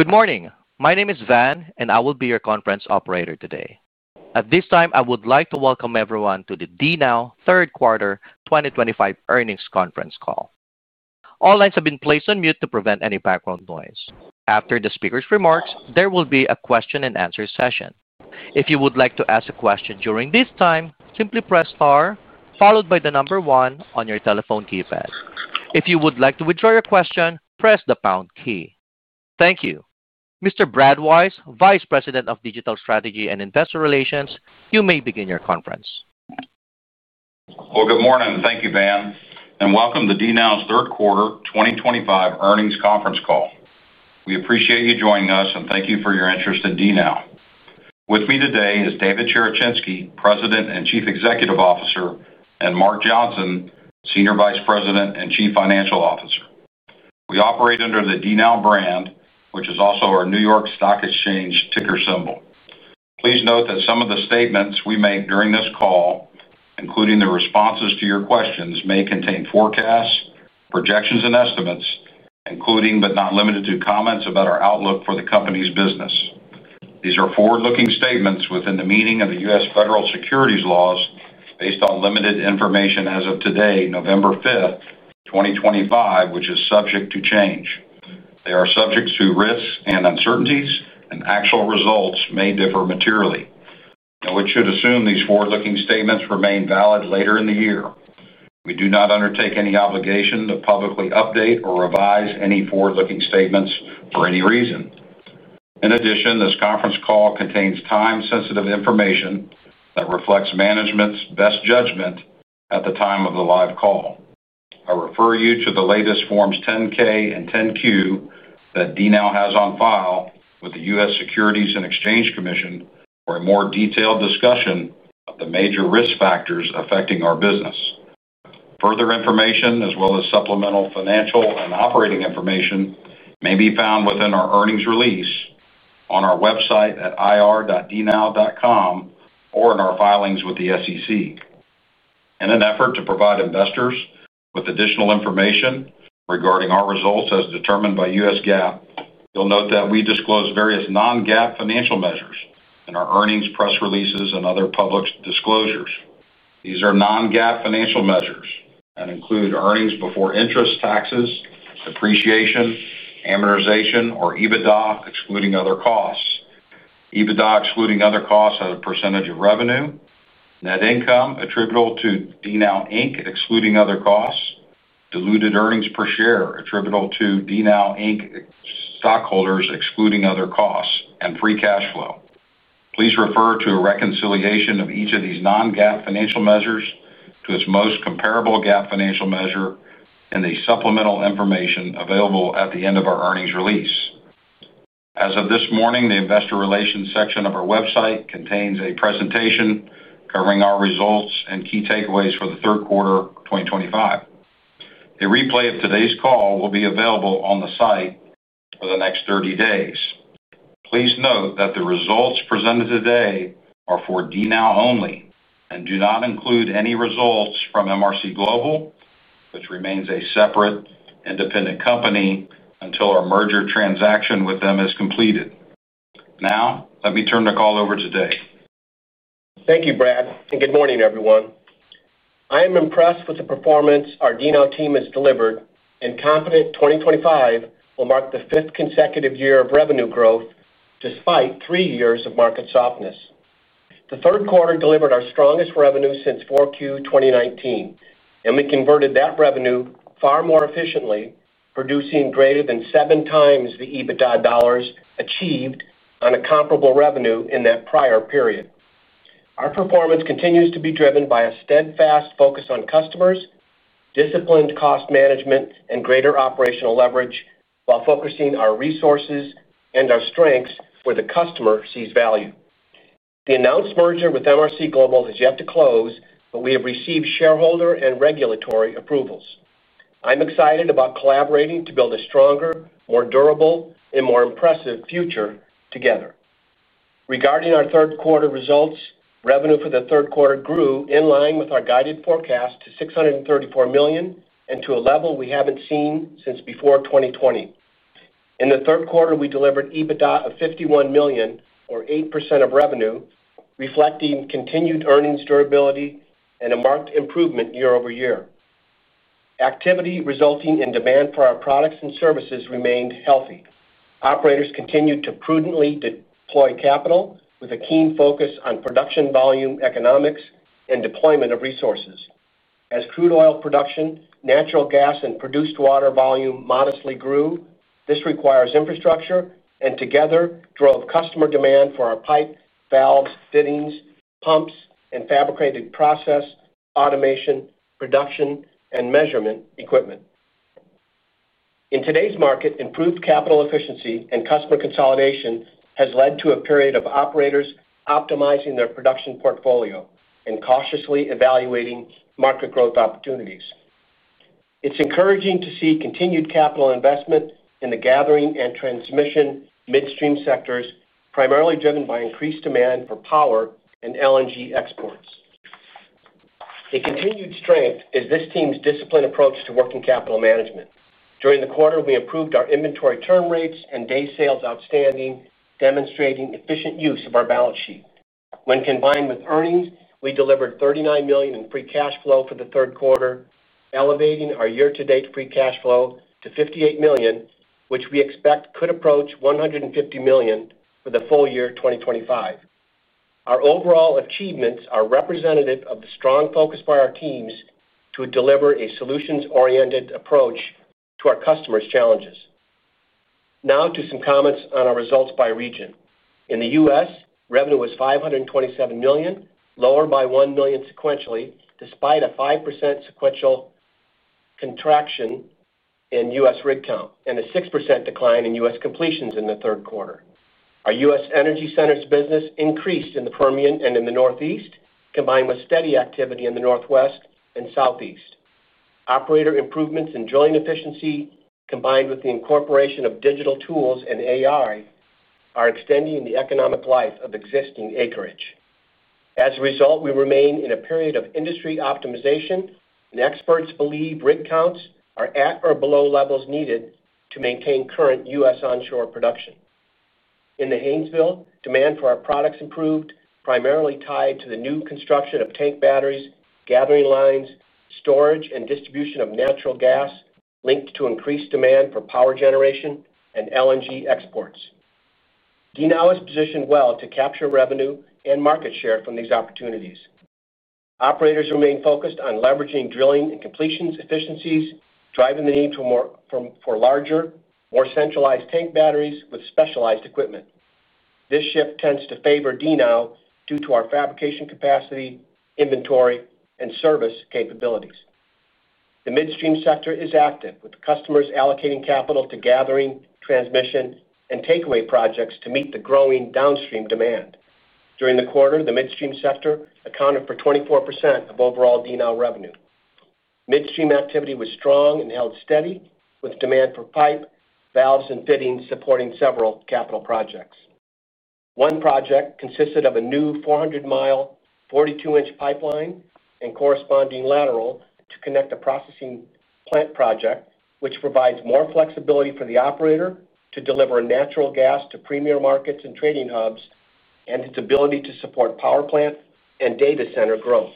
Good morning. My name is Van and I will be your conference operator today. At this time I would like to welcome everyone to the DNOW Third Quarter 2025 Earnings Conference Call. All lines have been placed on mute to prevent any background noise. After the Speaker's remarks, there will be a question-and-answer session. If you would like to ask a question during this time, simply press R followed by the number one on your telephone keypad. If you would like to withdraw your question, please press the key. Thank you. Mr. Brad Wise, Vice President of Digital Strategy and Investor Relations. You may begin your conference. Good morning. Thank you, Van, and welcome to DNOW's Third Quarter 2025 Earnings Conference Call. We appreciate you joining us and thank you for your interest in DNOW. With me today is David Cherechinsky, President and Chief Executive Officer, and Mark Johnson, Senior Vice President and Chief Financial Officer. We operate under the DNOW brand, which is also our New York Stock Exchange ticker symbol. Please note that some of the statements we make during this call, including the responses to your questions, may contain forecasts, projections, and estimates, including but not limited to comments about our outlook for the company's business. These are forward-looking statements within the meaning of the U.S. federal securities laws based on limited information as of today, November 5th, 2025, which is subject to change. They are subject to risks and uncertainties, and actual results may differ materially. We should assume these forward-looking statements remain valid later in the year. We do not undertake any obligation to publicly update or revise any forward-looking statements for any reason. In addition, this conference call contains time sensitive information that reflects management's best judgment at the time of the live call. I refer you to the latest Forms 10-K and 10-Q that DNOW has on file with the U.S. Securities and Exchange Commission for a more detailed discussion of the major risk factors affecting our business. Further information as well as supplemental financial and operating information may be found within our earnings release on our website at ir.dnow.com or in our filings with the SEC. In an effort to provide investors with additional information regarding our results as determined by U.S. GAAP, you'll note that we disclose various non-GAAP financial measures in our earnings press releases and other public disclosures. These are non-GAAP financial measures and include earnings before interest, taxes, depreciation, amortization, or EBITDA excluding other costs, EBITDA excluding other costs as a percentage of revenue, net income attributable to DNOW excluding other costs, diluted earnings per share attributable to DNOW stockholders excluding other costs, and free cash flow. Please refer to a reconciliation of each of these non-GAAP financial measures to its most comparable GAAP financial measure and the supplemental information available at the end of our earnings release as of this morning. The Investor Relations section of our website contains a presentation covering our results and key takeaways for the Third Quarter 2025. A replay of today's call will be available on the site for the next 30 days. Please note that the results presented today are for DNOW only and do not include any results from MRC Global, which remains a separate, independent company until our merger transaction with them is completed. Now let me turn the call over to Dave. Thank you, Brad, and good morning everyone. I am impressed with the performance our DNOW team has delivered and confident 2025 will mark the fifth consecutive year of revenue growth. Despite three years of market softness, the Third Quarter delivered our strongest revenue since Q4 2019 and we converted that revenue far more efficiently, producing greater than seven times the EBITDA dollars achieved on a comparable revenue in that prior period. Our performance continues to be driven by a steadfast focus on customers, disciplined cost management and greater operational leverage, while focusing our resources and our strengths where the customer sees value. The announced merger with MRC Global has yet to close, but we have received shareholder and regulatory approvals. I'm excited about collaborating to build a stronger, more durable and more impressive future together. Regarding our Third Quarter results, revenue for the Third Quarter grew in line with our guided forecast to $634 million and to a level we have not seen since before 2020. In the Third Quarter we delivered EBITDA of $51 million or 8% of revenue, reflecting continued earnings durability and a marked improvement year-over-year. Activity resulting in demand for our products and services remained healthy. Operators continued to prudently deploy capital with a keen focus on production volume, economics and deployment of resources as crude oil production, natural gas and produced water volume modestly grew. This requires infrastructure and together drove customer demand for our pipe, valves, fittings, pumps and fabricated process automation, production and measurement equipment. In today's market, improved capital efficiency and customer consolidation has led to a period of operators optimizing their production portfolio and cautiously evaluating market growth opportunities. It's encouraging to see continued capital investment in the gathering and transmission midstream sectors, primarily driven by increased demand for power and LNG exports. A continued strength is this team's disciplined approach to working capital management. During the quarter we improved our inventory, term rates, and day sales outstanding, demonstrating efficient use of our balance sheet. When combined with earnings, we delivered $39 million in free cash flow for the Third Quarter, elevating our year-to-date free cash flow to $58 million, which we expect could approach $150 million for the full year 2025. Our overall achievements are representative of the strong focus by our teams to deliver a solutions-oriented approach to our customers. Challenges now to some comments on our results by region. In the U.S., revenue was $527 million, lower by $1 million sequentially despite a 5% sequential contraction in U.S. rig count and a 6% decline in U.S. completions in the Third Quarter. Our U.S. energy centers business increased in the Permian and in the Northeast combined with steady activity in the Northwest and Southeast. Operator improvements in drilling efficiency combined with the incorporation of digital tools and AI are extending the economic life of existing acreage. As a result, we remain in a period of industry optimization and experts believe rig counts are at or below levels needed to maintain current U.S. onshore production. In the Haynesville, demand for our products improved primarily tied to the new construction of tank batteries, gathering lines, storage and distribution of natural gas linked to increased demand for power generation and LNG exports. DNOW is positioned well to capture revenue and market share from these opportunities. Operators remain focused on leveraging drilling and completions efficiencies driving the need for larger, more centralized tank batteries with specialized equipment. This shift tends to favor DNOW due to our fabrication capacity, inventory, and service capabilities. The midstream sector is active with customers allocating capital to gathering, transmission, and takeaway projects to meet the growing downstream demand. During the quarter, the midstream sector accounted for 24% of overall DNOW revenue. Midstream activity was strong and held steady with demand for pipe, valves, and fittings supporting several capital projects. One project consisted of a new 400-mile 42-inch pipeline and corresponding lateral to connect a processing plant project which provides more flexibility for the operator to deliver natural gas to premier markets and trading hubs and its ability to support power plant and data center growth.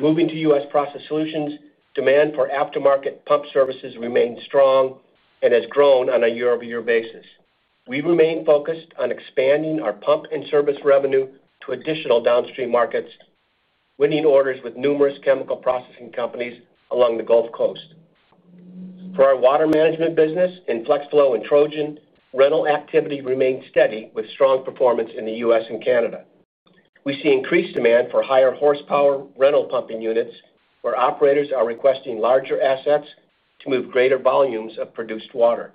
Moving to U.S. Process Solutions, demand for aftermarket pump services remains strong and has grown on a year-over-year basis. We remain focused on expanding our pump and service revenue to additional downstream markets, winning orders with numerous chemical processing companies along the Gulf Coast for our water management business. In FlexFlow and Trojan, rental activity remained steady with strong performance. In the U.S. and Canada, we see increased demand for higher-horsepower rental pumping units where operators are requesting larger assets to move greater volumes of produced water.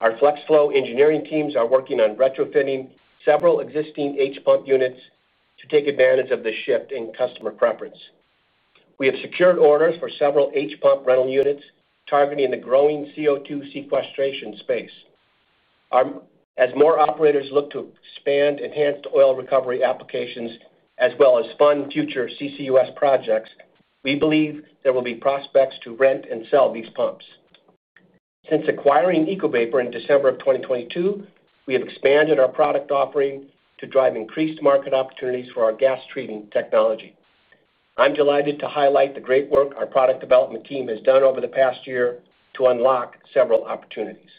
Our FlexFlow engineering teams are working on retrofitting several existing H-pump units to take advantage of the shift in customer preference. We have secured orders for several H-pump rental units targeting the growing CO2 sequestration space. As more operators look to expand enhanced oil recovery applications as well as fund future CCUS projects, we believe there will be prospects to rent and sell these pumps. Since acquiring EcoVapor in December of 2022, we have expanded our product offering to drive increased market opportunities for our gas treating technology. I'm delighted to highlight the great work our product development team has done over the past year to unlock several opportunities.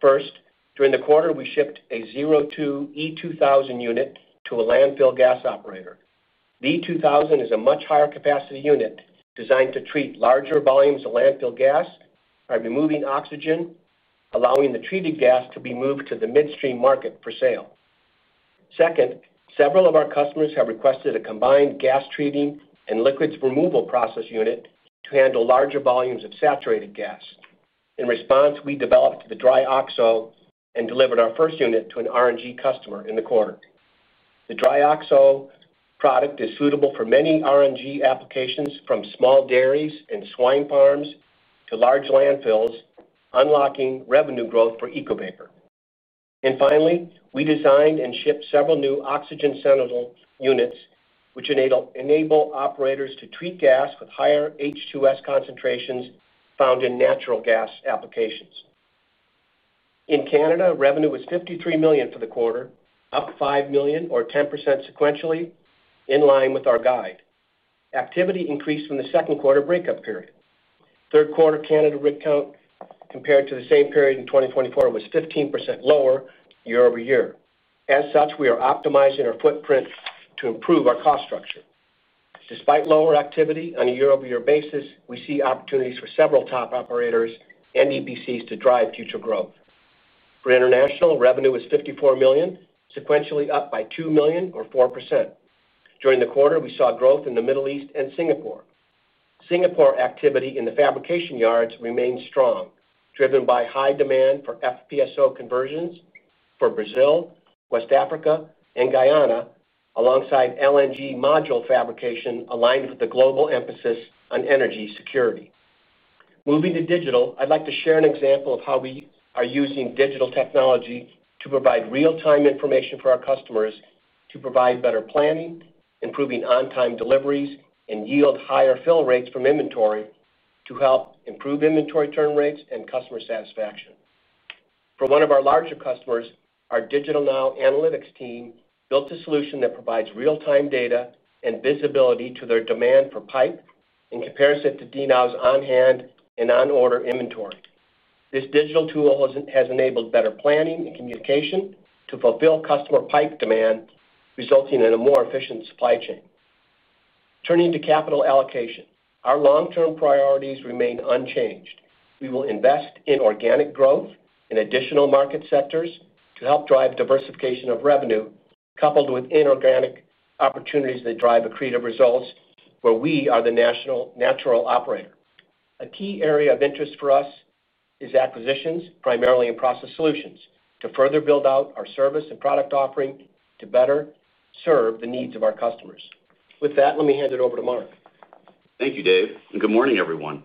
First, during the quarter we shipped an O2E 2000 unit to a landfill gas operator. O2E 2000 is a much higher-capacity unit designed to treat larger volumes of landfill gas by removing oxygen, allowing the treated gas to be moved to the midstream market for sale. Second, several of our customers have requested a combined gas treating and liquids removal process unit to handle larger volumes of saturated gas. In response, we developed the Dry OXO and delivered our first unit to an RNG customer in the quarter. The Dry OXO product is suitable for many RNG applications, from small dairies and swine farms to large landfills, unlocking revenue growth for EcoVapor. Finally, we designed and shipped several new Oxygen Sentinel units which enable operators to treat gas with higher H2S concentrations found in natural gas applications. In Canada, revenue was $53 million for the quarter, up $5 million or 10% sequentially in line with our guidelines, activity increased from the second quarter breakup period. Third Quarter Canada rig count compared to the same period in 2024 was 15% lower year-over-year. As such, we are optimizing our footprint to improve our cost structure. Despite lower activity on a year-over-year basis, we see opportunities for several top operators and EPCs to drive future growth. For international revenue is $54 million sequentially, up by $2 million or 4%. During the quarter we saw growth in the Middle East and Singapore. Singapore activity in the fabrication yards remained strong, driven by high demand for FPSO conversions for Brazil, West Africa, and Guyana alongside LNG module fabrication aligned with the global emphasis on energy security. Moving to Digital, I'd like to share an example of how we are using digital technology to provide real-time information for our customers to provide better planning, improving on-time deliveries, and yield higher fill rates from inventory. To help improve inventory turn rates and customer satisfaction for one of our larger customers, our DigitalNOW analytics team built a solution that provides real-time data and visibility to their demand for pipe in comparison to DNOW's on hand and on order inventory. This digital tool has enabled better planning and communication to fulfill customer pipe demand, resulting in a more efficient supply chain. Turning to capital allocation, our long-term priorities remain unchanged. We will invest in organic growth in additional market sectors to help drive diversification of revenue coupled with inorganic opportunities that drive accretive results. Where we are the National Natural Operator, a key area of interest for us is acquisitions, primarily in process solutions to further build out our service and product offering to better serve the needs of our customers. With that, let me hand it over to Mark. Thank you Dave and good morning everyone.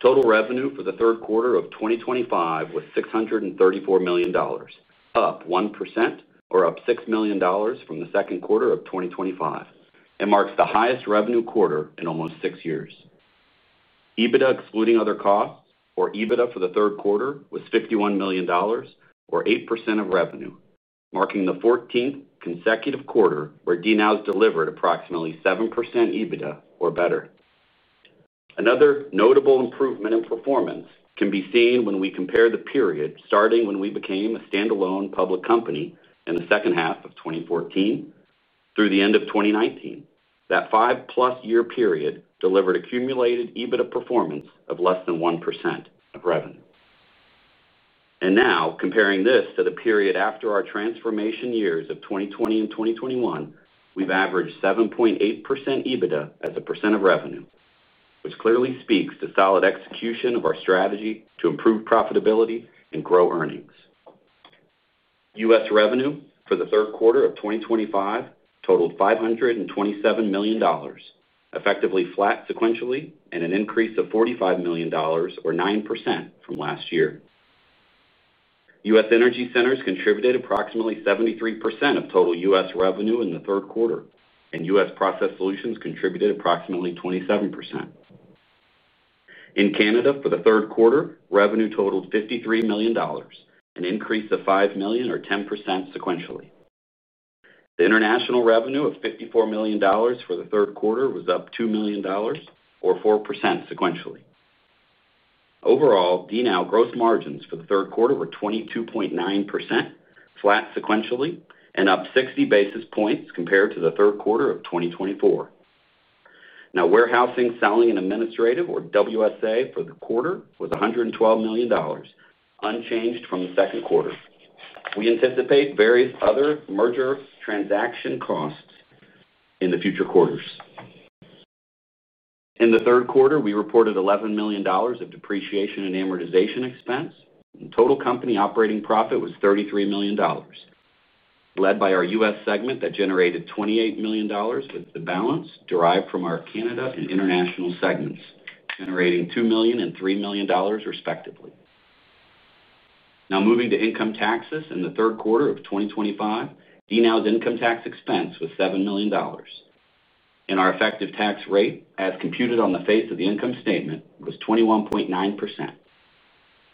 Total revenue for the Third Quarter of 2025 was $634 million, up 1% or up $6 million from the Second Quarter of 2025 and marks the highest revenue quarter in almost six years. EBITDA, excluding other costs or EBITDA for the Third Quarter was $51 million, or 8% of revenue, marking the 14th consecutive quarter where DNOW has delivered approximately 7% EBITDA or better. Another notable improvement in performance can be seen when we compare the period starting when we became a standalone public company in the second half of 2014 through the end of 2019. That five-plus-year period delivered accumulated EBITDA performance of less than 1% of revenue and now comparing this to the period after our transformation years of 2020 and 2021, we've averaged 7.8% EBITDA as a % of revenue, which clearly speaks to solid execution of our strategy to improve profitability and grow earnings. U.S. revenue for the Third Quarter of 2025 totaled $527 million, effectively flat sequentially, and an increase of $45 million, or 9% from last year. U.S. Energy Centers contributed approximately 73% of total U.S. revenue in the third quarter, and U.S. Process Solutions contributed approximately 27%. In Canada for the Third Quarter, revenue totaled $53 million, an increase of $5 million or 10% sequentially. The international revenue of $54 million for the Third Quarter was up $2 million, or 4% sequentially. Overall, DNOW gross margins for the Third Quarter were 22.9%, flat sequentially and up 60 basis points compared to the Third Quarter of 2024. Now, Warehousing, Selling and Administrative or WSA for the quarter was $112 million, unchanged from the Second Quarter. We anticipate various other merger transaction costs in the future quarters. In the Third Quarter, we reported $11 million of depreciation and amortization expense. Total company operating profit was $33 million, led by our U.S. segment that generated $28 million with the balance derived from our Canada and International segments generating $2 million and $3 million, respectively. Now, moving to income taxes. In the Third Quarter of 2025, DNOW's income tax expense was $7 million and our effective tax rate as computed on the face of the income statement was 21.9%.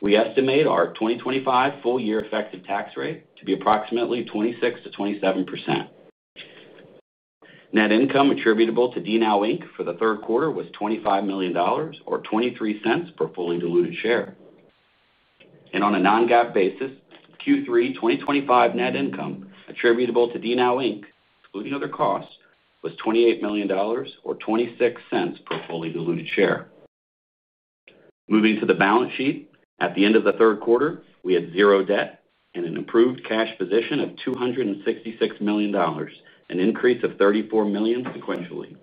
We estimate our 2025 full-year effective tax rate to be approximately 26-27%. Net income attributable to DNOW for the Third Quarter was $25 million or $0.23 per fully diluted share, and on a Non-GAAP basis, Q3 2025 net income attributable to DNOW including other costs was $28 million or $0.26 per fully diluted share. Moving to the balance sheet, at the end of the Third Quarter we had zero debt and an improved cash position of $266 million, an increase of $34 million. Sequentially,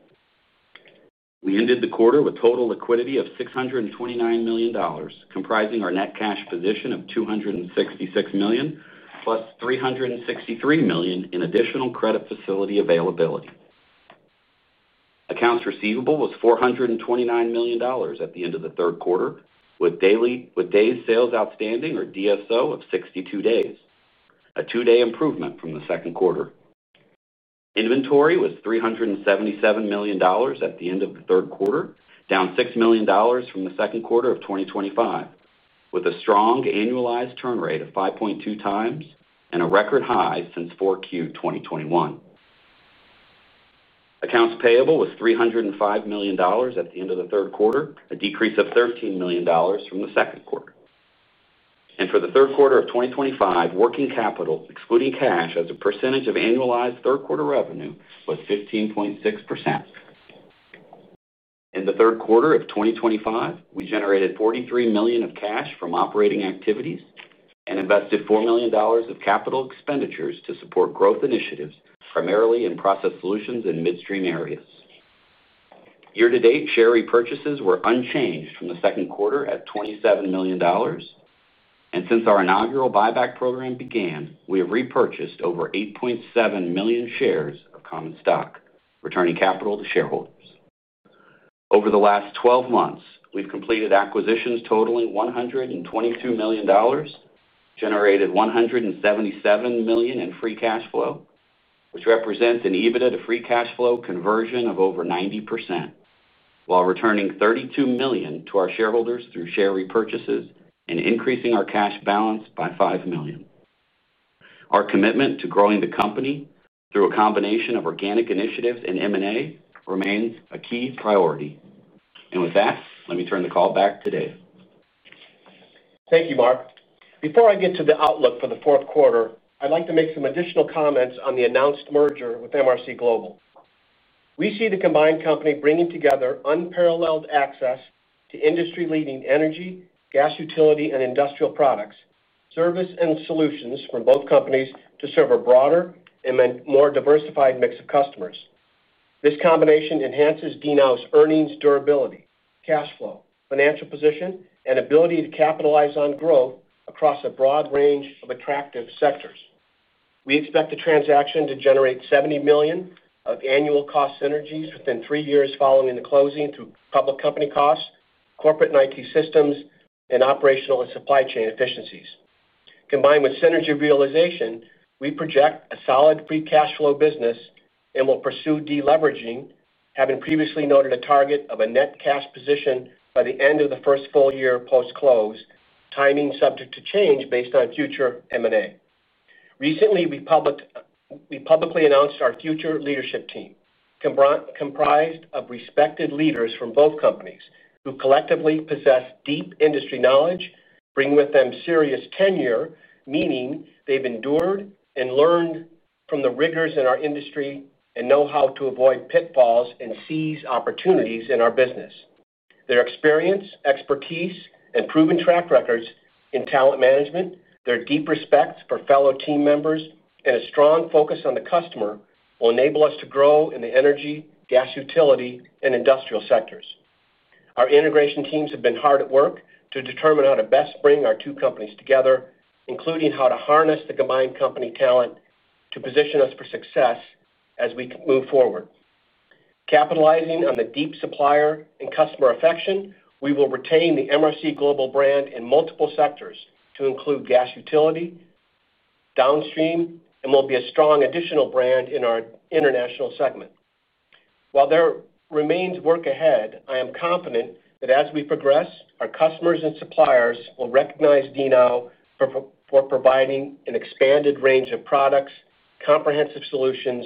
we ended the quarter with total liquidity of $629 million, comprising our net cash position of $266 million plus $363 million in additional credit facility availability. Accounts receivable was $429 million at the end of the Third Quarter with days sales outstanding or DSO of 62 days, a 2-day improvement from the Second Quarter. Inventory was $377 million at the end of the Third Quarter, down $6 million from the Second Quarter of 2025 with a strong annualized turn rate of 5.2 times and a record high since Q4 2021. Accounts payable was $305 million at the end of the Third Quarter, a decrease of $13 million from the Second Quarter, and for the Third Quarter of 2025, working capital excluding cash as a percentage of annualized Third Quarter revenue was 15.6% in the Third Quarter of 2025. We generated $43 million of cash from operating activities and invested $4 million of capital expenditures to support growth initiatives, primarily in process solutions and midstream areas. Year-to-date, share repurchases were unchanged from the Second Quarter at $27 million and since our inaugural buyback program began, we have repurchased over 8.7 million shares of common stock, returning capital to shareholders. Over the last 12 months we've completed acquisitions totaling $122 million, generated $177 million in free cash flow, which represents an EBITDA to free cash flow conversion of over 90% while returning $32 million to our shareholders through share repurchases and increasing our cash balance by $5 million. Our commitment to growing the company through a combination of organic initiatives and M and A remains a key priority. With that, let me turn the call back to Dave. Thank you, Mark. Before I get to the outlook for the Fourth Quarter, I'd like to make some additional comments on the announced merger with MRC Global. We see the combined company bringing together unparalleled access to industry-leading energy, gas, utility and industrial products, service and solutions from both companies to serve a broader and more diversified mix of customers. This combination enhances DNOW's earnings, durability, cash flow, financial position and ability to capitalize on growth across a broad range of attractive sectors. We expect the transaction to generate $70 million of annual cost synergies within three years following the closing. Through public company costs, corporate and IT systems and operational and supply chain efficiencies combined with synergy realization, we project a solid free cash flow business and will pursue deleveraging. Having previously noted a target of a net cash position by the end of the first full year post-close, timing subject to change based on future M&A, recently we publicly announced our future leadership team comprised of respected leaders from both companies who collectively possess deep industry knowledge, bring with them serious tenure, meaning they've endured and learned from the rigors in our industry and know how to avoid pitfalls and seize opportunities in our business. Their experience, expertise and proven track records in talent management, their deep respect for fellow team members and a strong focus on the customer will enable us to grow in the energy, gas, utility and industrial sectors. Our integration teams have been hard at work to determine how to best bring our two companies together, including how to harness the combined company talent to position us for success as we move forward. Capitalizing on the deep supplier and customer affection, we will retain the MRC Global brand in multiple sectors to include gas utility downstream and will be a strong additional brand in our International segment. While there remains work ahead, I am confident that as we progress, our customers and suppliers will recognize DNOW for providing an expanded range of products, comprehensive solutions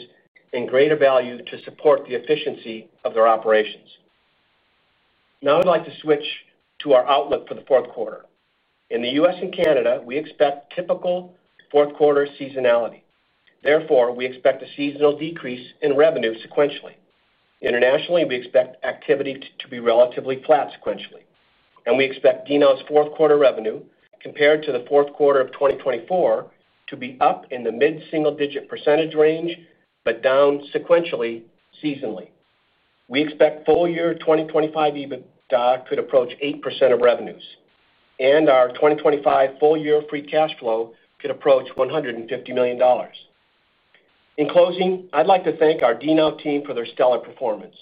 and greater value to support the efficiency of their operations. Now I'd like to switch to our outlook for the Fourth Quarter. In the U.S. and Canada we expect typical Fourth Quarter seasonality, therefore we expect a seasonal decrease in revenue sequentially. Internationally we expect activity to be relatively flat sequentially and we expect DNOW's Fourth Quarter revenue compared to the fourth quarter of 2024 to be up in the mid-single-digit percentage range but down sequentially. Seasonally we expect full-year 2025 EBITDA could approach 8% of revenues and our 2025 full year free cash flow could approach $150 million. In closing, I'd like to thank our DNOW team for their stellar performance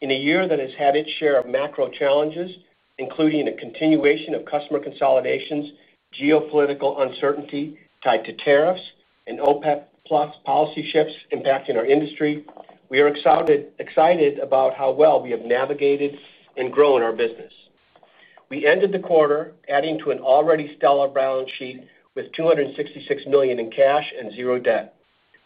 in a year that has had its share of macro challenges including a continuation of customer consolidations, geopolitical uncertainty tied to tariffs and OPEC policy shifts impacting our industry. We are excited about how well we have navigated and grown our business. We ended the quarter adding to an already stellar balance sheet with $266 million in cash and zero debt.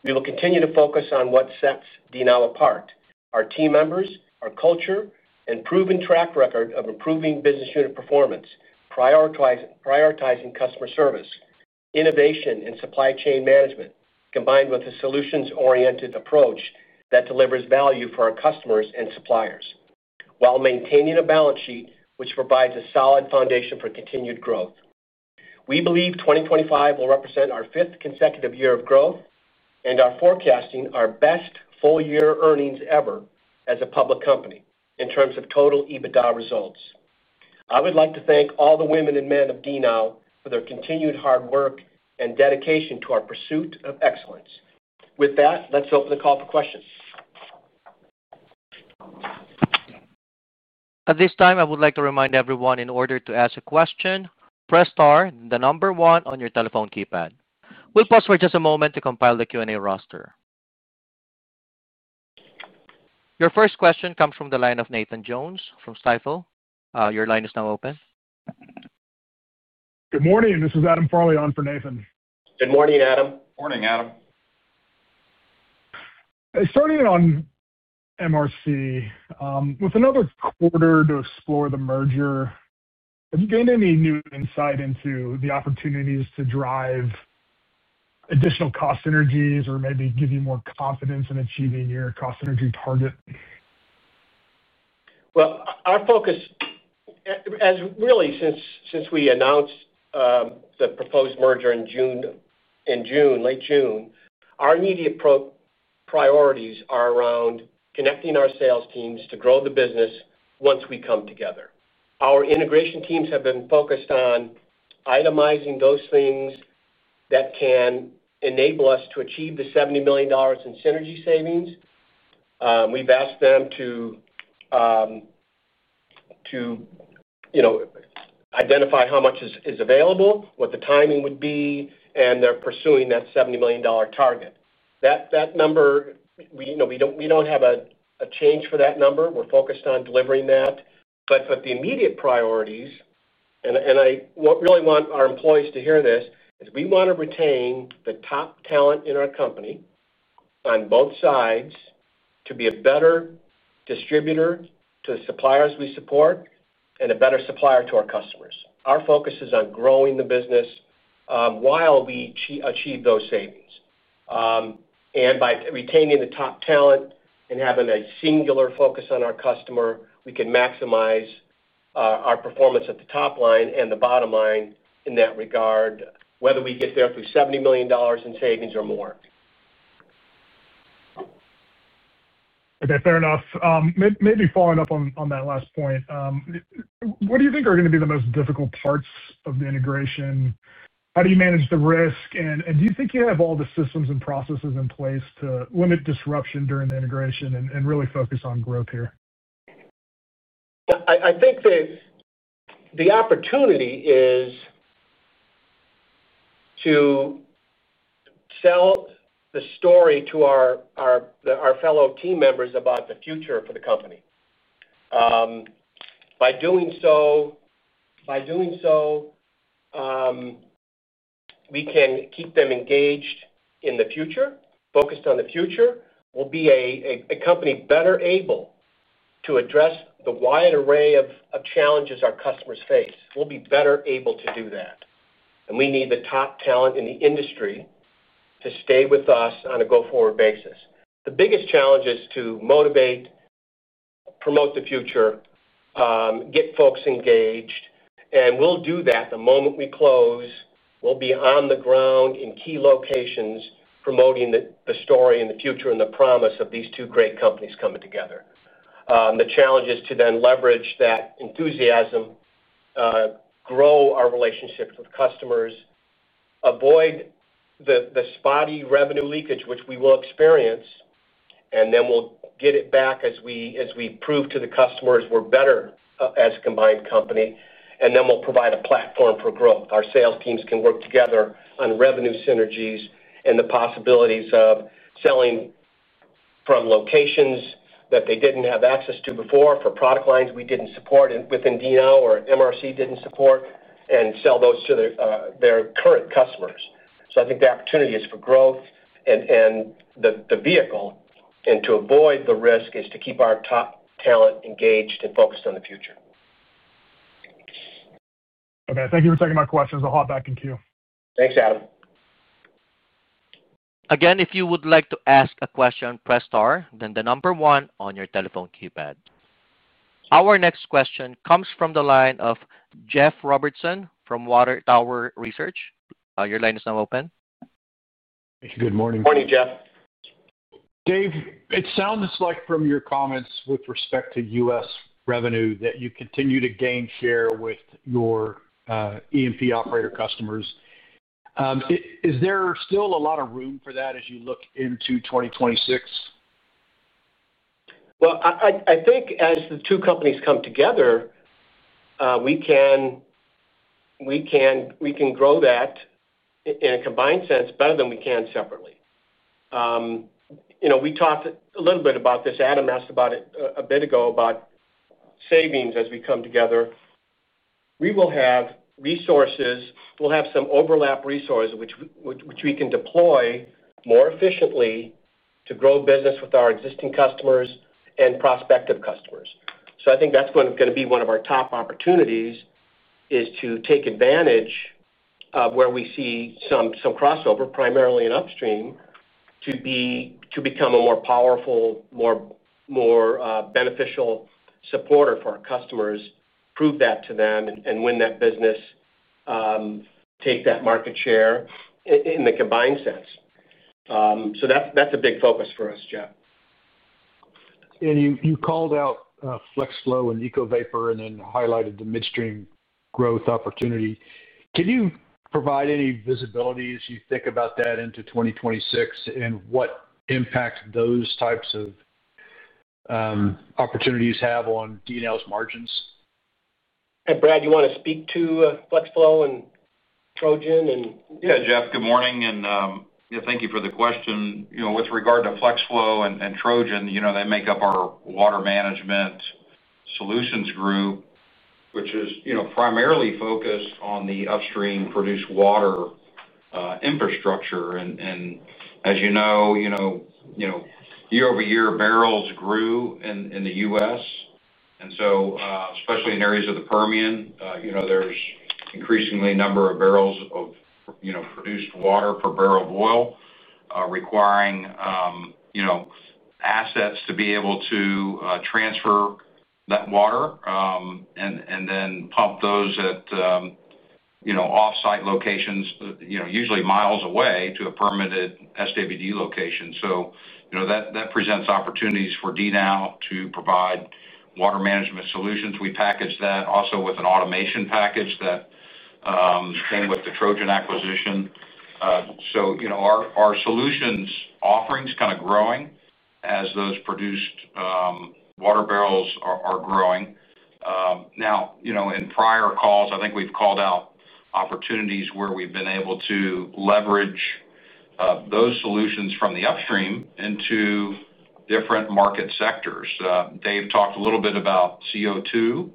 We will continue to focus on what sets DNOW apart: our team members, our culture, and proven track record of improving business unit performance, prioritizing customer service, innovation, and supply chain management combined with a solutions-oriented approach that delivers value for our customers and suppliers while maintaining a balance sheet which provides a solid foundation for continued growth. We believe 2025 will represent our fifth consecutive year of growth and are forecasting our best full-year earnings ever as a public company in terms of total EBITDA results. I would like to thank all the women and men of DNOW for their continued hard work and dedication to our pursuit of excellence. With that, let's open the call for questions. At this time I would like to remind everyone in order to ask a question, press star the number one on your telephone keypad. We'll pause for just a moment to compile the Q&A roster. Your first question comes from the line of Nathan Jones from Stifel. Your line is now open. Good morning, this is Adam Farley on for Nathan. Good morning, Adam. Good morning, Adam. Starting on MRC with another quarter to explore the merger, have you gained any new insight into the opportunities to drive additional cost synergies or maybe give you more confidence in achieving your cost synergy target? Our focus as really since we announced the proposed merger in June, in June, late June, our immediate priorities are around connecting our sales teams to grow the business once we come together. Our integration teams have been focused on itemizing those things that can enable us to achieve the $70 million in synergy savings. We've asked them to identify how much is available, what the timing would be and they're pursuing that $70 million. That number. We don't have a change for that number, we're focused on delivering that. The immediate priorities, and I really want our employees to hear this, is we want to retain the top talent in our company on both sides to be a better distributor to the suppliers we support and a better supplier to our customers. Our focus is on growing the business while we achieve those savings, and by retaining the top talent and having a singular focus on our customer, we can maximize our performance at the top line and the bottom line in that regard, whether we get there through $70 million in savings or more. Okay, fair enough. Maybe following-up on that last point. What do you think are going? To be the most difficult parts of the integration? How do you manage the risk and do you think you have all the systems and processes in place to limit disruption during the integration and really focus on growth here? I think the opportunity is to sell the story to our fellow team members about the future for the company. By doing so, we can keep them engaged in the future. Focused on the future, we'll be a company better able to address the wide array of challenges our customers face. We'll be better able to do that and we need the top talent in the industry to stay with us on a go-forward basis. The biggest challenge is to motivate, promote the future, get folks engaged, and we'll do that the moment we close. We'll be on the ground in key locations promoting the story and the future and the promise of these two great companies coming together. The challenge is to then leverage that enthusiasm, grow our relationships with customers, avoid the spotty revenue leakage which we will experience and then we'll get it back as we prove to the customers we're better as a combined company and then we'll provide a platform for growth. Our sales teams can work together on revenue synergies and the possibilities of selling from locations that they did not have access to before for product lines we did not support within DNOW or MRC Global, did not support and sell those to their current customers. I think the opportunity is for growth and the vehicle and to avoid the risk is to keep our top talent engaged and focused on the future. Okay, thank you for taking my questions. I'll hop back in queue. Thanks Adam. Again, if you would like to ask a question, press star, then the number one on your telephone keypad. Our next question comes from the line of Jeff Robertson from Water Tower Research. Your line is now open. Good morning. Morning, Jeff. Dave, it sounds like from your comments with respect to U.S. revenue that you continue to gain share with your E&P operator customers. Is there still a lot of room for that as you look into 2026? I think as the two companies come together we can grow that in a combined sense better than we can separately. We talked a little bit about this. Adam asked about it a bit ago about savings. As we come together we will have resources, we'll have some overlap resources which we can deploy more efficiently to grow business with our existing customers and prospective customers. I think that's going to be one of our top opportunities is to take advantage of where we see some crossover primarily in upstream, to become a more powerful, more beneficial supporter for our customers, prove that to them and win that business, take that market share in the combined sense. That's a big focus for us, Jeff. You called out FlexFlow and EcoVapor and then highlighted the midstream growth opportunity. Can you provide any visibility as you think about that into 2026 and what impact those types of opportunities have on DNOW's margins? Brad, you want to speak to FlexFlow and Trojan? Yeah. Jeff, good morning and thank you for the question. You know, with regard to FlexFlow and Trojan, you know, they make up our Water Management Solutions group which is, you know, primarily focused on the upstream produced water infrastructure. And as you know, year-over-year barrels grew in the U.S. and so especially in areas of the Permian, you know, there's increasingly number of barrels of, you know, produced water per barrel of oil requiring, you know, assets to be able to transfer that water and then pump those at, you know, off-site locations, you know, usually miles away to a permitted SWD location. You know, that presents opportunities for DNOW to provide water management solutions. We packaged that also with an automation package that came with the Trojan acquisition. So, you know, our solutions offering is kind of growing as those produced water barrels are growing now. You know, in prior calls I think we've called out opportunities where we've been able to leverage those solutions from the upstream into different market sectors. Dave talked a little bit about CO2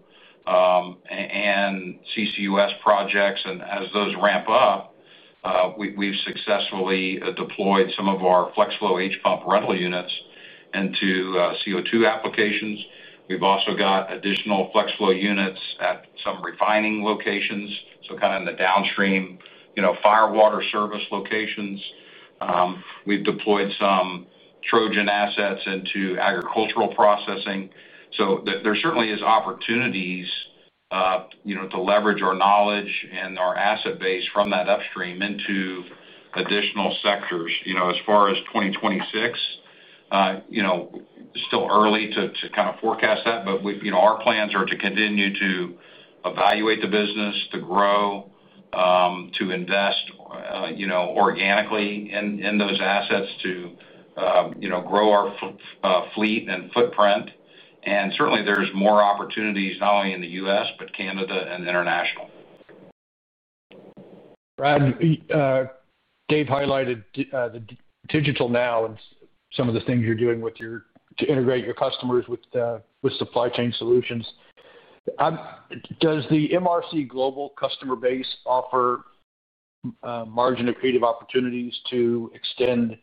and CCUS projects and as those ramp up, we've successfully deployed some of our FlexFlow H-pump rental units into CO2 applications. We've also got additional FlexFlow units at some refining locations. Kind of in the downstream, you know, firewater service locations, we've deployed some Trojan assets into agricultural processing. There certainly is opportunities, you know, to leverage our knowledge and our asset base from that upstream into additional sectors. You know, as far as 2026, you know, still early to kind of forecast that, but we, you know, our plans are to continue to evaluate the business, to grow, to invest organically in those assets, to grow our fleet and footprint. Certainly there are more opportunities not only in the U.S. but Canada and international. Brad. Dave highlighted the DigitalNOW and some of the things you're doing to integrate your customers with supply chain solutions. Does the MRC Global customer base offer margin accretive opportunities to extend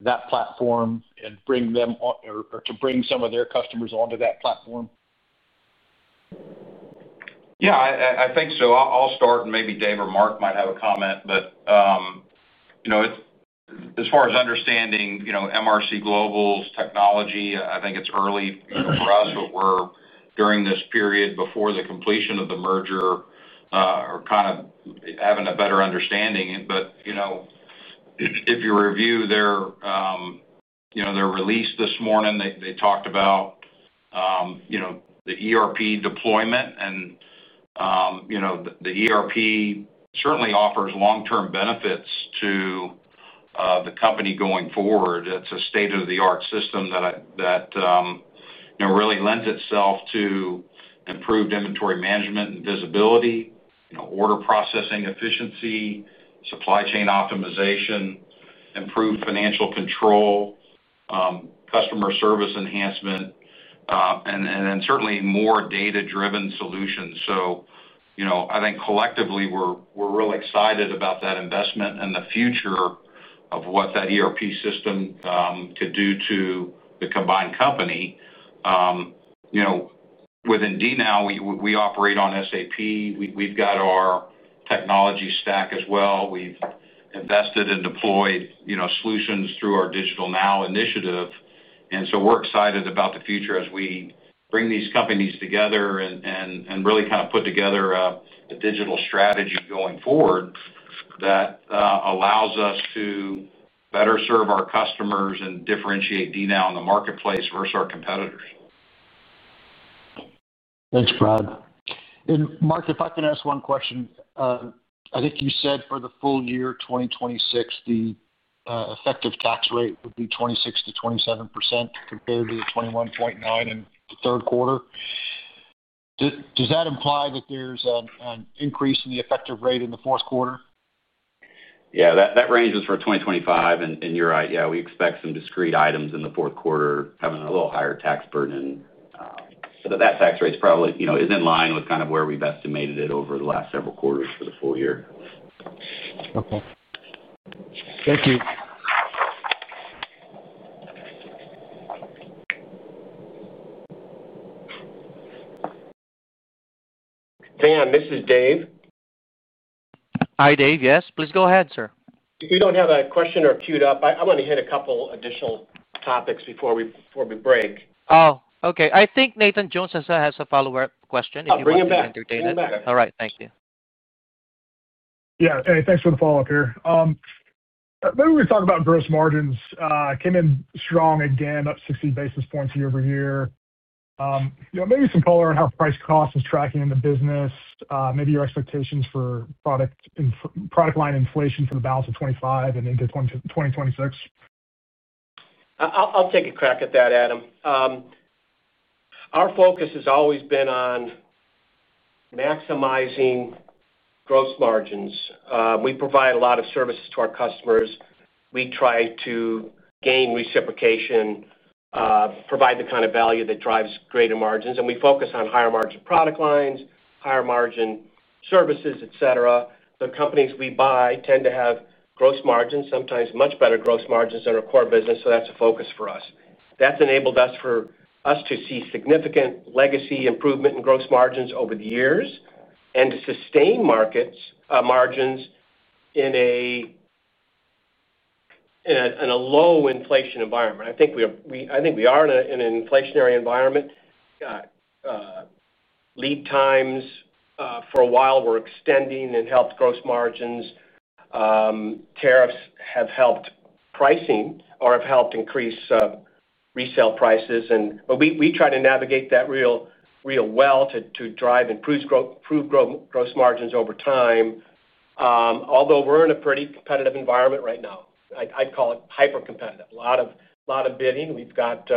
that platform and bring them or to bring some of their customers onto that platform? Yeah, I think so. I'll start and maybe Dave or Mark might have a comment. But you know, as far as understanding, you know, MRC Global's technology, I think it's early for us but we're during this period before the completion of the merger or kind of having a better understanding. But you know, if you review their, you know, their release this morning they talked about, you know, the ERP deployment and you know, the ERP certainly offers long term benefits to the company going forward. It's a state-of-the-art system that really lends itself to improved inventory management and visibility, order processing efficiency, supply chain optimization, improved financial control, customer service enhancement and then certainly more data-driven solutions. I think collectively we're really excited about that investment in the future of what that ERP system could do to the combined company. Within DNOW, we operate on SAP, we've got our technology stack as well. We've invested and deployed solutions through our DigitalNOW initiative. We're excited about the future as we bring these companies together and really kind of put together a digital strategy going forward that allows us to better serve our customers and differentiate DNOW in the marketplace versus our competitors. Thanks, Brad and Mark, if I can ask one question. I think you said for the full-year 2026, the effective tax rate would be 26-27% compared to the 21.9% in the third quarter. Does that imply that there's an increase in the effective rate in the fourth quarter? Yeah, that range was for 2025 and you're right. Yeah. We expect some discrete items in the fourth quarter having a little higher tax burden. That tax rate is probably, you know, is in line with kind of where we've estimated it over the last several quarters for the full year. Okay, thank you. Van, this is Dave. Hi Dave. Yes, please go ahead, sir. If we don't have a question or queued up, I want to hit a couple additional topics before we break. Oh, okay. I think Nathan Jones has a follow-up question if you want to bring him back. All right, thank you. Yeah, hey, thanks for the follow up here. Maybe we talk about gross margins came in strong again up 60 basis points year-over-year. Maybe some color on how price cost is tracking in the business. Maybe your expectations for product line inflation for the balance of 2025 and into 2026. I'll take a crack at that, Adam. Our focus has always been on maximizing gross margins. We provide a lot of services to our customers. We try to gain reciprocation, provide the kind of value that drives greater margins, and we focus on higher-margin product lines, higher-margin services, et cetera. The companies we buy tend to have gross margins, sometimes much better gross margins than our core business. That is a focus for us, that has enabled us to see significant legacy improvement in gross margins over the years and to sustain margins in a low inflation environment. I think we are in an inflationary environment. Lead times for a while were extending and helped gross margins. Tariffs have helped pricing or have helped increase resale prices. We try to navigate that real estate real well to drive improved gross margins over time. Although we're in a pretty competitive environment right now, I'd call it hyper competitive, a lot of bidding. We've got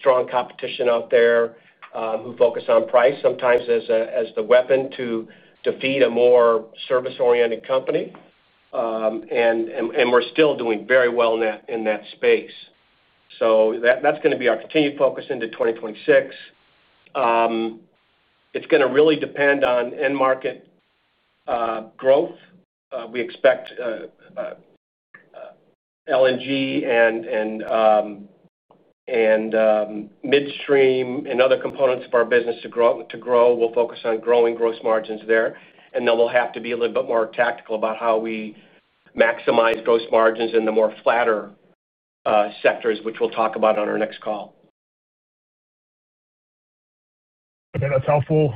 strong competition out there who focus on price sometimes as the weapon to defeat a more service-oriented company. We're still doing very well in that space. That's going to be our continued focus into 2026. It's going to really depend on end market growth. We expect LNG and midstream and other components of our business to grow. We'll focus on growing gross margins there, and then we'll have to be a little bit more tactical about how we maximize gross margins in the more flatter sectors, which we'll talk about on our next call. Okay, that's helpful.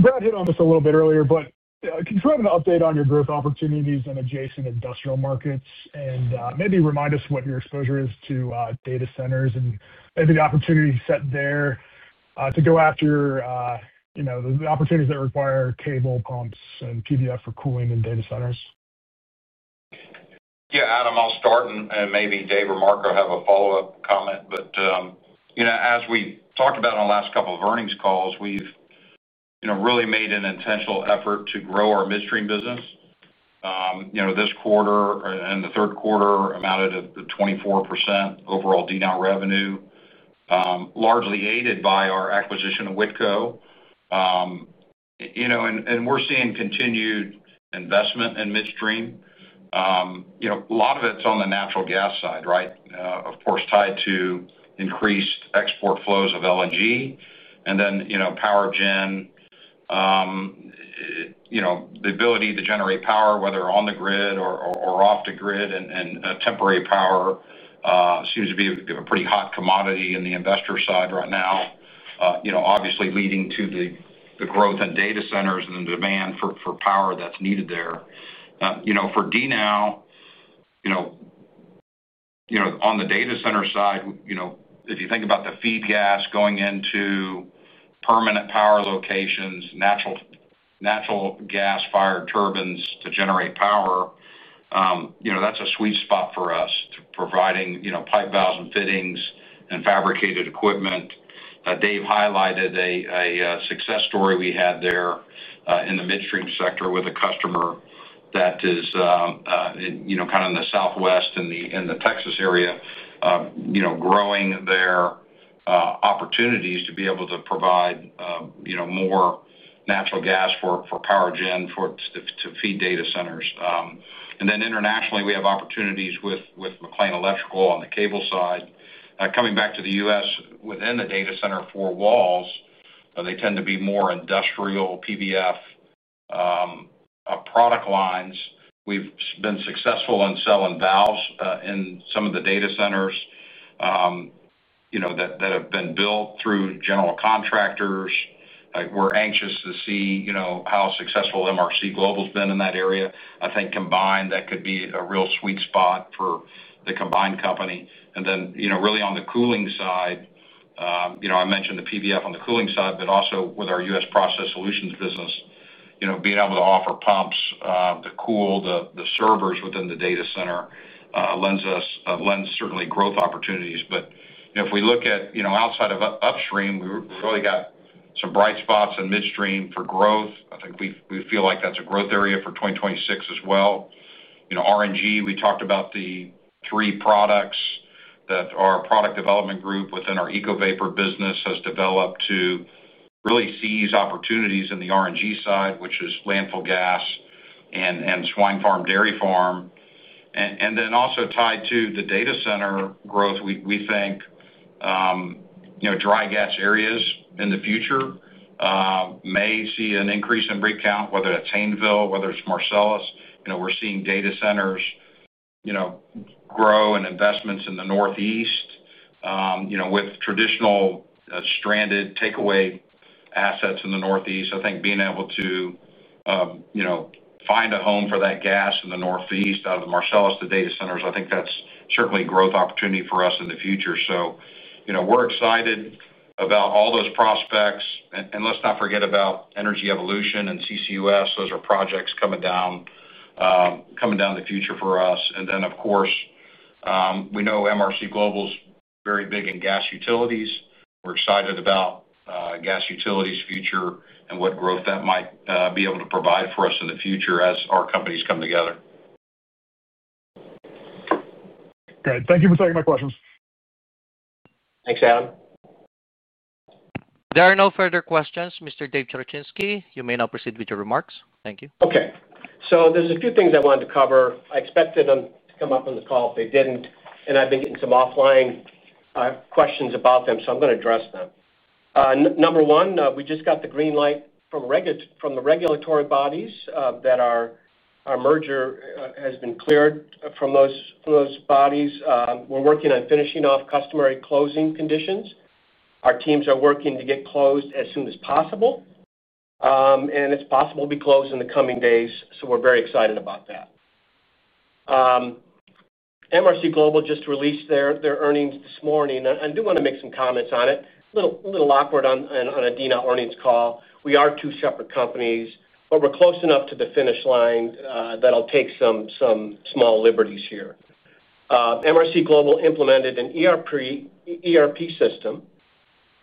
Brad hit on this a little bit earlier, but could you have an update on your growth opportunities in adjacent industrial markets and maybe remind us what your exposure is to data centers and maybe the opportunity set there to go after, you know, the opportunities that require cable pumps and PVF for cooling in data centers. Yeah, Adam, I'll start and maybe Dave or Mark will have a follow-up comment. But you know, as we talked about on the last couple of earnings calls, we've, you know, really made an intentional effort to grow our midstream business. You know, this quarter and the Third Quarter amounted to 24% overall DNOW revenue, largely aided by our acquisition of Wingo. You know, and we're seeing continued investment in midstream. You know, a lot of it's on the natural gas side, right? Of course, tied to increased export flows of LNG and then, you know, power gen, the ability to generate power whether on the grid or off the grid. Temporary power seems to be a pretty hot commodity in the investor side right now, you know, obviously leading to the growth in data centers and the demand for power that's needed there, you know, for DNOW, you know, on the data center side, you know, if you think about the feed gas going into permanent power locations, natural gas fired turbines to generate power, you know, that's a sweet spot for us providing, you know, pipe valves and fittings and fabricated equipment. Dave highlighted a success story we had there in the midstream sector with a customer that is, you know, kind of in the Southwest and in the Texas area, you know, growing their opportunities to be able to provide, you know, more natural gas for power gen to feed data centers. Then internationally we have opportunities with McLean Electrical on the cable side coming back to the U.S. within the data center four walls, they tend to be more industrial PVF product lines. We've been successful in selling valves in some of the data centers. That have. Been built through general contractors. We're anxious to see how successful MRC Global has been in that area. I think combined that could be a real sweet spot for the combined company. On the cooling side, I mentioned the PBF on the cooling side, but also with our U.S. Process Solutions business, being able to offer pumps to cool the servers within the data center lends certainly growth opportunities. If we look at outside of upstream, we really got some bright spots in midstream for growth. I think we feel like that's a growth area for 2026 as well. RNG, we talked about the three products that our product development group within our EcoVapor business has developed to really seize opportunities in the RNG side, which is landfill gas and swine farm, dairy farm. Also tied to the data center growth, we think dry gas areas in the future may see an increase in rig count. Whether that's Haynesville, whether it's Marcellus. We're seeing data centers grow and investments in the Northeast with traditional stranded takeaway assets in the Northeast. I think being able to, you know, find a home for that gas in the Northeast out of the Marcellus, the data centers, I think that's certainly a growth opportunity for us in the future. You know, we're excited about all those prospects. Let's not forget about Energy Evolution and CCUS. Those are projects coming down, coming down the future for us. Of course, we know MRC Global's very big in Gas Utilities. We're excited about Gas Utilities future and what growth that might be able to provide for us in the future as companies come together. Great. Thank you for taking my questions. Thanks, Adam. There are no further questions. Mr. David Cherechinsky, you may now proceed with your remarks. Thank you. Okay, so there's a few things I wanted to cover. I expected them to come up on the call if they didn't. And I've been getting some offline questions about them, so I'm going to address them. Number one, we just got the green light from the regulatory bodies that our merger has been cleared from those bodies. We're working on finishing off customary closing conditions. Our teams are working to get closed as soon as possible and it's possible to be closed in the coming days. So we're very excited about that. MRC Global just released their earnings this morning. I do want to make some comments on it. A little awkward on a DNOW earnings call. We are two separate companies, but we're close enough to the finish line that I'll take some small liberties here. MRC Global implemented an ERP system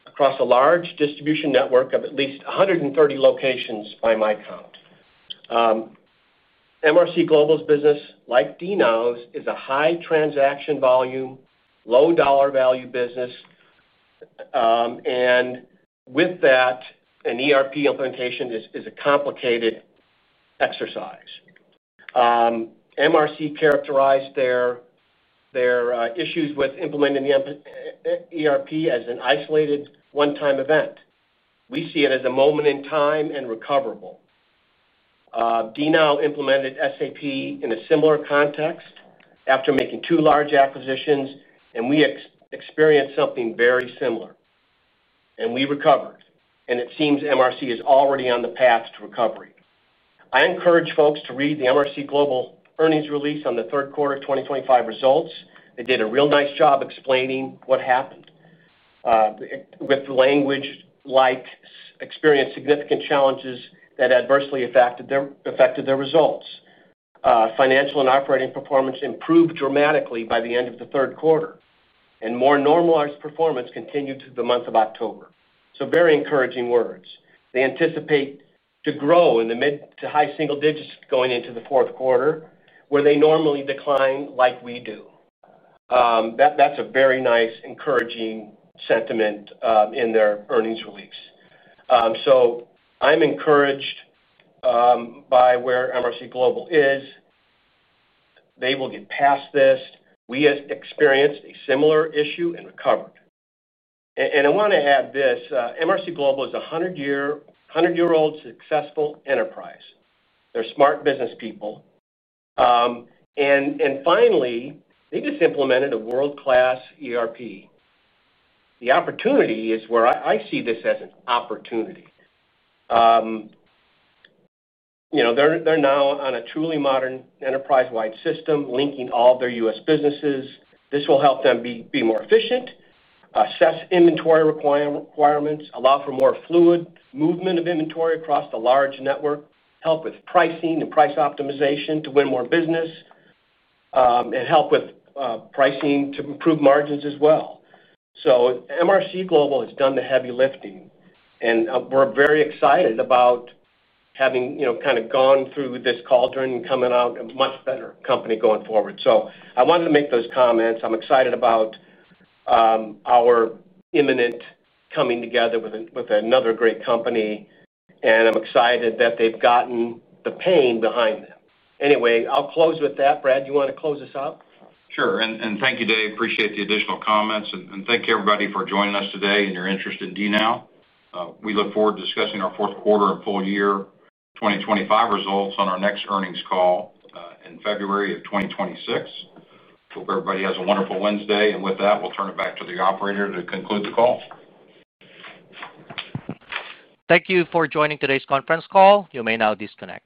across a large distribution network of at least 130 locations. By my count, MRC Global's business, like DNOW's, is a high-transaction-volume, low-dollar-value business and with that an ERP implementation is a complicated exercise. MRC characterized their issues with implementing the ERP as an isolated one-time event. We see it as a moment in time and recoverable. DNOW implemented SAP in a similar context after making two large acquisitions and we experienced something very similar and we recovered and it seems MRC is already on the path to recovery. I encourage folks to read the MRC Global earnings release on the Third Quarter 2025 results. They did a real nice job explaining what happened with language like experienced significant challenges that adversely affected their results. Financial and operating performance improved dramatically by the end of the Third Quarter and more normalized performance continued through the month of October. Very encouraging words. They anticipate to grow in the mid-to-high single digits going into the Fourth Quarter where they normally decline like we do. That is a very nice encouraging sentiment in their earnings release. I am encouraged by where MRC Global is. They will get past this. We experienced a similar issue and recovered. I want to add this. MRC Global is a hundred-year-old successful enterprise. They are smart business people and finally they just implemented a world-class ERP. The opportunity is where I see this as an opportunity. You know they are now on a truly modern enterprise-wide system linking all their U.S. businesses. This will help them be more efficient, assess inventory requirements, allow for more fluid movement of inventory across the large network, help with pricing and price optimization to win more business and help with pricing to improve margins as well. MRC Global has done the heavy lifting. I am very excited about having kind of gone through this cauldron, coming out a much better company going forward. I wanted to make those comments. I am excited about our imminent coming together with another great company, and I am excited that they have gotten the pain behind them. Anyway, I will close with that. Brad, you want to close us out? Sure. Thank you, Dave. Appreciate the additional comments. Thank you everybody for joining us today and your interest in DNOW. We look forward to discussing our Fourth Quarter and Full Year 2025 results on our next earnings call in February of 2026. Hope everybody has a wonderful Wednesday. With that, we'll turn it back to the operator to conclude the call. Thank you for joining today's conference call. You may now disconnect.